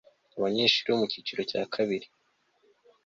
abanyeshuri bo mu cyiciro cya kabiri